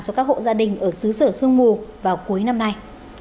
cho các hộ gia đình ở xứ sở sương mù vào cuối năm nay